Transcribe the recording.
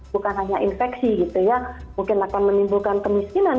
bukan hanya infeksi gitu ya mungkin akan menimbulkan kemiskinan